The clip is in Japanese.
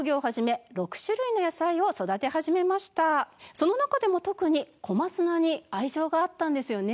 ナガヤマさんはその中でも特に小松菜に愛情があったんですよね？